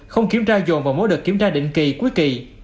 không kiểm tra dồn vào mỗi đợt kiểm tra định kỳ cuối kỳ